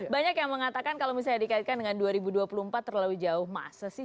banyak yang mengatakan kalau misalnya dikaitkan dengan dua ribu dua puluh empat terlalu jauh masa sih